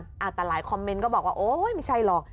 เราก็มีอาหารหลายคอมเมนท์ก็บอกว่าโอ๊ยไม่ใช่หรอก